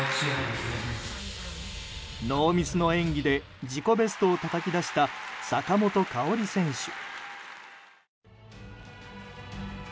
ノーミスの演技で自己ベストをたたき出した坂本花織選手。